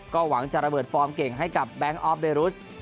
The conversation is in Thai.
ก็หวังจะระเบิดฟอร์มเก่งให้กับแบงค์ออฟเดรุส